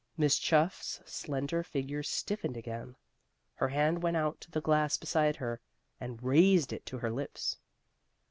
Miss Chuff's slender figure stiffened again. Her hand went out to the glass beside her, and raised it to her lips.